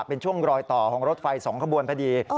เป็นช่วงรอยต่อของรถไฟ๒ขบวนพอดี